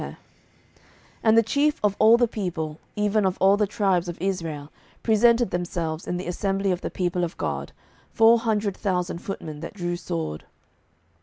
07:020:002 And the chief of all the people, even of all the tribes of Israel, presented themselves in the assembly of the people of God, four hundred thousand footmen that drew sword.